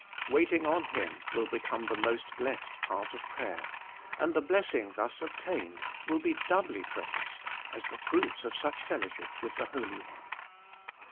Waiting on Him will become the most blessed part of prayer, and the blessing thus obtained will be doubly precious as the fruit of such fellowship with the Holy One.